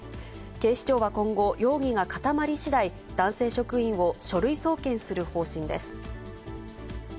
警視庁は今後、容疑が固まりしだい、男性職員を書類送検する方針です。